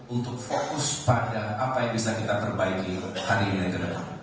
untuk fokus pada apa yang bisa kita perbaiki hari ini ke depan